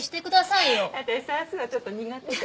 私算数はちょっと苦手で。